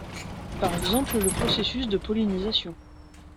Par exemple le processus de pollinisation.